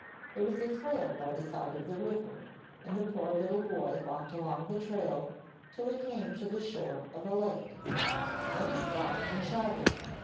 There was a trail by the side of the river, and the poor little boy walked along the trail till he came to the shore of a lake; then he stopped and shouted.